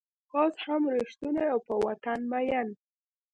اوس هم رشتونی او په وطن مین